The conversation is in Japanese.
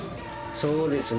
そうですね。